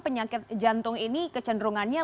penyakit jantung ini kecenderungannya